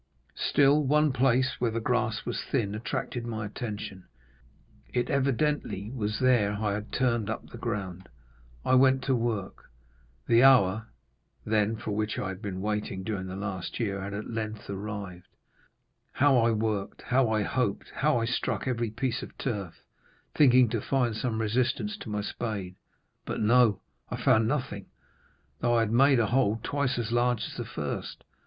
Still one place where the grass was thin attracted my attention; it evidently was there I had turned up the ground. I went to work. The hour, then, for which I had been waiting during the last year had at length arrived. How I worked, how I hoped, how I struck every piece of turf, thinking to find some resistance to my spade! But no, I found nothing, though I had made a hole twice as large as the first.